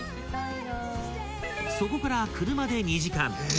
［そこから車で２時間］